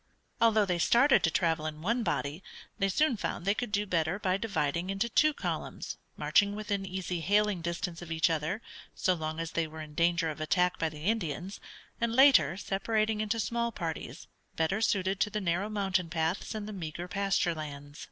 Although they started to travel in one body they soon found they could do better by dividing into two columns, marching within easy hailing distance of each other, so long as they were in danger of attack by the Indians, and later separating into small parties, better suited to the narrow mountain paths and the meagre pasture lands.